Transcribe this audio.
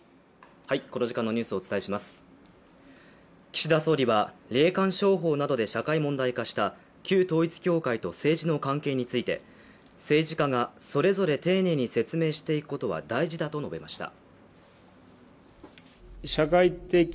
岸田総理は霊感商法などで社会問題化した旧統一教会と政治の関係について政治家が、それぞれ丁寧に説明していくことは大事だと述べました。